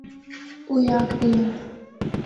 او اے آخدے ہن۔